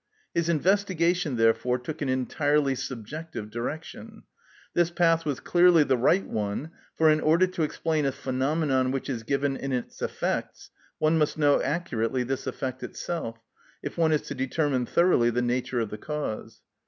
His investigation, therefore, took an entirely subjective direction. This path was clearly the right one, for in order to explain a phenomenon which is given in its effects, one must know accurately this effect itself, if one is to determine thoroughly the nature of the cause.